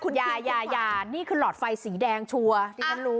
นี่คือหลอดไฟสีแดงชัวร์